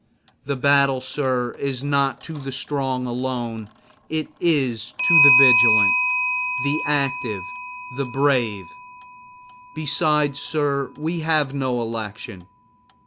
The battle, sir, is not to the strong alone; it is to the vigilant, the active, the brave. Besides, sir, we have no election.